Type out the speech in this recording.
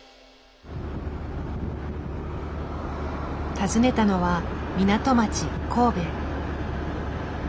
訪ねたのは港町神戸。